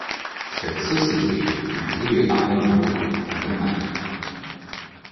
Cette société fut créée à Hambourg, en Allemagne.